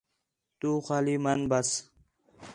تُو خالی منی بس